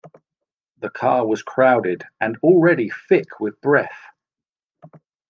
The car was crowded and already thick with breath.